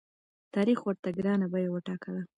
تاریخ ورته ګرانه بیه وټاکله.